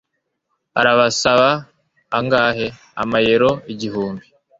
"Arasaba angahe?" "Amayero igihumbi."